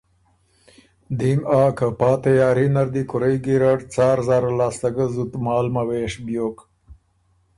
دیم آ که پا تیاري نر دی کُورئ ګیرډ څار زاره لاسته ګه زُت مال موېش بیوک